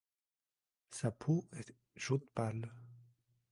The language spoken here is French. Sa peau est jaune pâle.